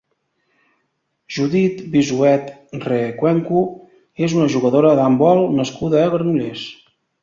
Judith Vizuete Recuenco és una jugadora d'handbol nascuda a Granollers.